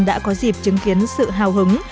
đã có dịp chứng kiến sự hào hứng